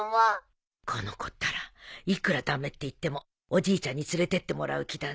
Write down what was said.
この子ったらいくら駄目って言ってもおじいちゃんに連れてってもらう気だね